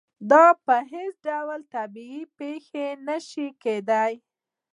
دا په هېڅ ډول طبیعي پېښه نه شي کېدای.